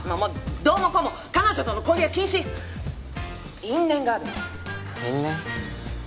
どうもこうも彼女との交流は禁止因縁があるの因縁？